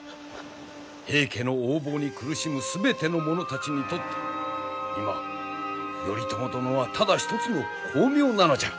平家の横暴に苦しむ全ての者たちにとって今頼朝殿はただ一つの光明なのじゃ。